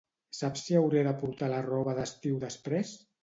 Saps si hauré de portar la roba d'estiu després?